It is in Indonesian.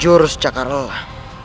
jurus cakar olah